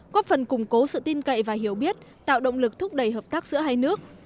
góp phần củng cố sự tin cậy và hiểu biết tạo động lực thúc đẩy hợp tác giữa hai nước